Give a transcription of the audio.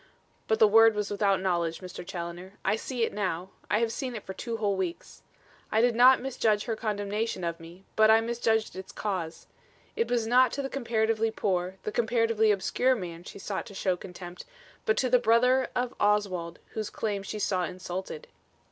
But the word was without knowledge, Mr. Challoner. I see it now; I have seen it for two whole weeks. I did not misjudge her condemnation of me, but I misjudged its cause. It was not to the comparatively poor, the comparatively obscure man she sought to show contempt, but to the brother of Oswald whose claims she saw insulted.